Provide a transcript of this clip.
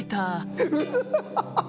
フフハハハハ！